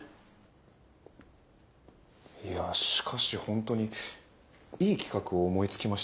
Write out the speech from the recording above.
いやしかし本当にいい企画を思いつきましたね。